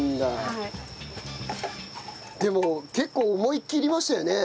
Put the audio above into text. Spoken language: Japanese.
でも結構思い切りましたよね。